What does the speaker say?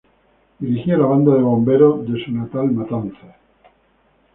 Dirigió la Banda de Bomberos de su natal Matanzas.